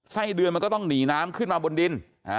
ไส้เดือนมันก็ต้องหนีน้ำขึ้นมาบนดิน